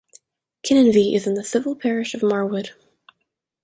Kinninvie is in the civil parish of Marwood.